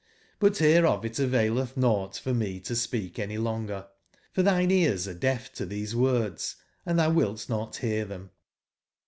But bereof it availetb nougbt for me to speak any longer, for tbine ears are deaf to tbese words, and tbou wilt not bear tbem.